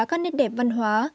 các nét đẹp văn hóa